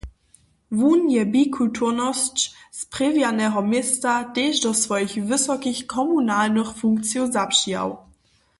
Wón je bikulturnosć sprjewineho města tež do swojich wysokich komunalnych funkcijow zapřijał.